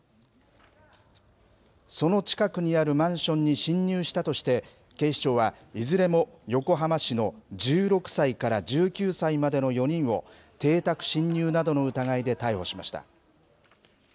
その近くにあるマンションに侵入したとして、警視庁は、いずれも横浜市の１６歳から１９歳までの４人を、邸宅侵入などの疑いで逮捕しました。